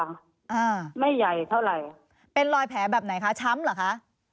อ่าไม่ใหญ่เท่าไหร่เป็นรอยแผลแบบไหนคะช้ำเหรอคะ